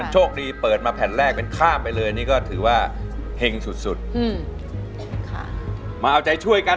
ฟังอินโตรไปแล้วสำหรับเพลงที่๔นะครับ